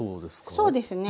そうですね。